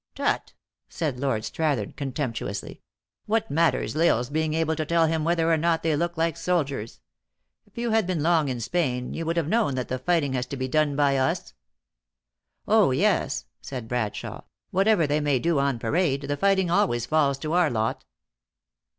" Tut," said Lord Strathern contemptuously. "What matters L Isle s being able to tell him whether or not they look like soldiers ? If you had been long in Spain, you would have known that the fighting has to be done by us." U O yes," said Bradshawe. "Whatever they may do on parade, the fighting always falls to our lot."